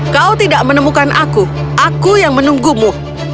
kau tidak menemukan aku aku yang menunggumu